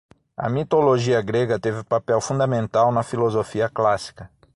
A mitologia grega teve papel fundamental na filosofia clássica